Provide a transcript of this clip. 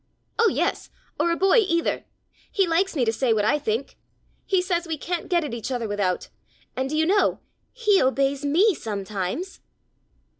"Oh, yes, or a boy either! He likes me to say what I think! He says we can't get at each other without. And do you know he obeys me sometimes!"